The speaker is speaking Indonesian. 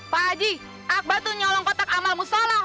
pak haji akbar itu nyolong kotak amal mu sholat